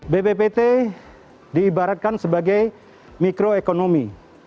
bppt diibaratkan sebagai mikroekonomi